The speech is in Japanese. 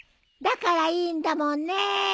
だからいいんだもんね。